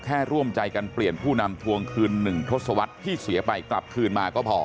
ร่วมใจกันเปลี่ยนผู้นำทวงคืน๑ทศวรรษที่เสียไปกลับคืนมาก็พอ